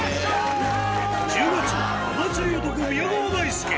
１０月はお祭り男、宮川大輔。